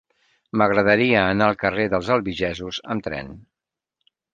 M'agradaria anar al carrer dels Albigesos amb tren.